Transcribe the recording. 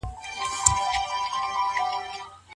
حضرت علي رضی الله عنه د نکاح ملاتړ وکړ.